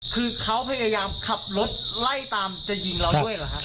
คือเขาพยายามขับรถไล่ต่ำจะหญิงเราด้วยหรอ